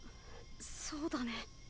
そうだね。